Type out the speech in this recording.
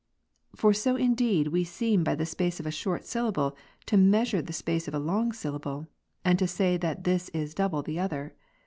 for so indeed we seem by the space of a short syllable, to measure the space of a long syllable, and to say that this is double the other.